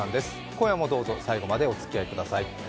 今夜もどうぞ最後までおつきあいください。